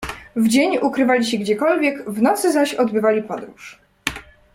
"W dzień ukrywali się gdziekolwiek, w nocy zaś odbywali podróż."